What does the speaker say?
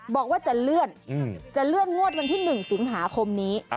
บอกว่าจะเลื่อนจะเลื่อนงวดวันที่๑สิงหาคมนี้